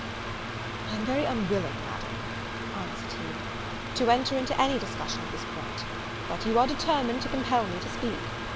"I am very unwilling, Madam," answered he, "to enter into any discussion of this point; but you are determined to compel me to speak.